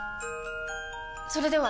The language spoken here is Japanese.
それでは！